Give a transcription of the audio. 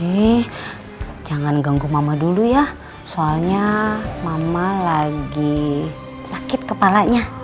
ini jangan ganggu mama dulu ya soalnya mama lagi sakit kepalanya